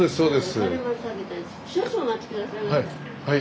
はい。